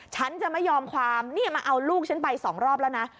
ฉันจะไม่ยอมความนี่มาเอาลูกฉันไปสองรอบแล้วนะ